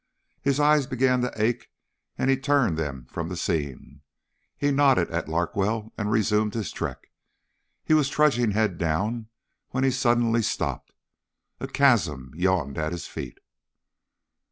His eyes began to ache and he turned them from the scene. He nodded at Larkwell and resumed his trek. He was trudging head down when he suddenly stopped. A chasm yawned at his feet.